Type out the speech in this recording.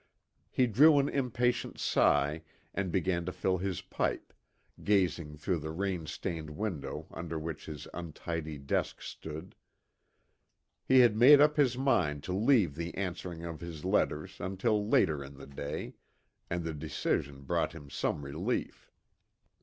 He drew an impatient sigh, and began to fill his pipe, gazing through the rain stained window under which his untidy desk stood. He had made up his mind to leave the answering of his letters until later in the day, and the decision brought him some relief.